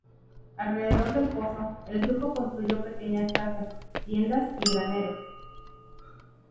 Alrededor del pozo, el grupo construyó pequeñas casas, tiendas y graneros.